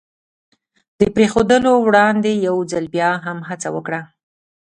د پرېښودلو وړاندې یو ځل بیا هم هڅه وکړه.